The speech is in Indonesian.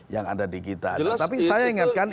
yang ada di kita tapi saya ingatkan